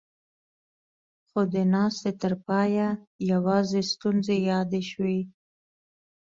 خو د ناستې تر پايه يواځې ستونزې يادې شوې.